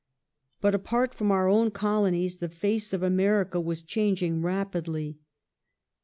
^ But apart from our own Colonies the face of America was changing rapidly.